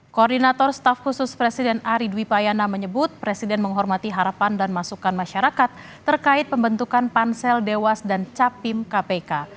koordinator staf khusus presiden ari dwi payana menyebut presiden menghormati harapan dan masukan masyarakat terkait pembentukan pansel dewas dan capim kpk